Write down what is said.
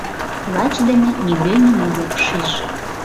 Лач дене нигӧ нимом ок шиж.